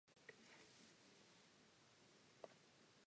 Such an indication has no taxonomic standing.